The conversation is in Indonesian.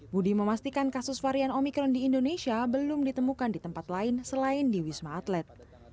budi memastikan kasus varian omikron di indonesia belum ditemukan di tempat lain selain di wisma atlet